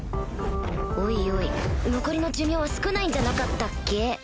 おいおい残りの寿命は少ないんじゃなかったっけ？